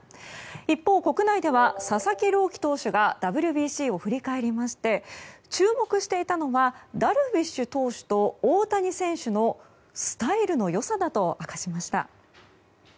一方、国内では佐々木朗希投手がＷＢＣを振り返りまして注目していたのがダルビッシュ投手と大谷選手のスタイルの良さだと明かしました。